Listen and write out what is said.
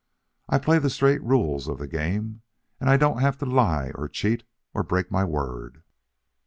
I play the straight rules of the game, and I don't have to lie or cheat or break my word."